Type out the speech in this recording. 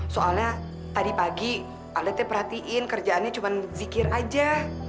soalnya tadi pagi alletnya perhatiin kerjaannya cuma zikir aja